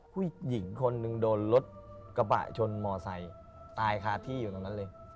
ผู้หญิงคนหนึ่งโดนรถกระบะชนมอไซค์ตายคาที่อยู่ตรงนั้นเลย